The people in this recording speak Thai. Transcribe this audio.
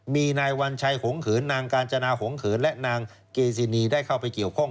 มีนายวัญชัยหงเขินนางกาญจนาหงเขินและนางเกซินีได้เข้าไปเกี่ยวข้อง